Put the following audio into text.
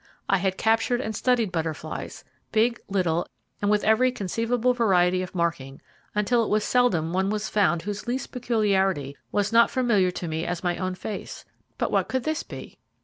I had captured and studied butterflies, big, little, and with every conceivable variety of marking, until it was seldom one was found whose least peculiarity was not familiar to me as my own face; but what could this be?